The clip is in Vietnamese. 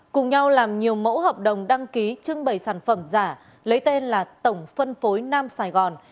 cùng nhau làm nhiều mẫu hợp đồng đăng ký trưng bày sản phẩm giả lấy tên là tổng phân phối nam sài gòn